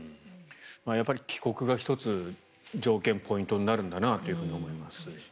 帰国が１つ条件ポイントになるんだなと思います。